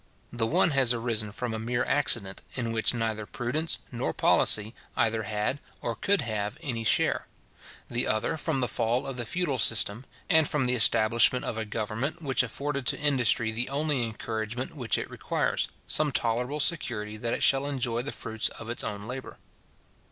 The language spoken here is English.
The one has arisen from a mere accident, in which neither prudence nor policy either had or could have any share; the other, from the fall of the feudal system, and from the establishment of a government which afforded to industry the only encouragement which it requires, some tolerable security that it shall enjoy the fruits of its own labour.